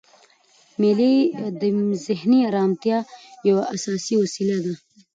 مېلې د ذهني ارامتیا یوه اساسي وسیله ده.